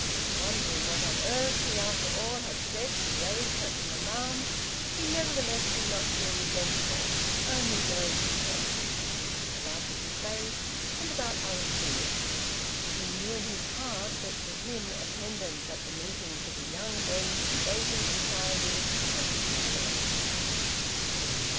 Wondering what on earth he after all had said to raise such an alarm, he nevertheless did not feel resentful, only very depressed about the debate and about other things. He knew in his heart that for him attendance at the meetings of the Young Men's Debating Society was ridiculous.